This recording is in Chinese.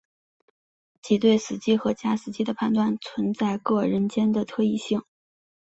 即对死机和假死机的判断存在各人间的特异性。